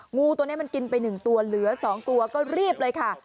งูตัวนี้มันกินไป๑ตัวเหลือ๒ตัวก็รีบเลยค่ะ